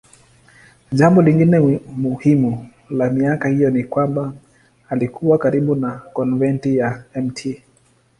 Jambo lingine muhimu la miaka hiyo ni kwamba alikuwa karibu na konventi ya Mt.